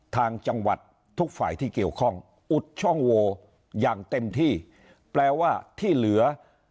ทางจังหวัดทุกฝ่ายที่เกี่ยวข้องอุดช่องโวอย่างเต็มที่แปลว่าที่เหลือ